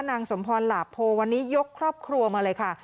นางสมพรหลาโพวันนี้ยกครอบครัวมาเลยค่ะ